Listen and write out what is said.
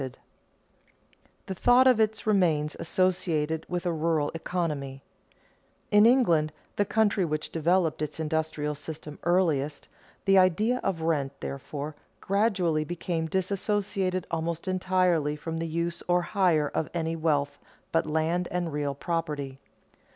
[Sidenote: The thought of it remains associated with a rural economy] In England, the country which developed its industrial system earliest, the idea of rent, therefore, gradually became disassociated almost entirely from the use or hire of any wealth but land and real property.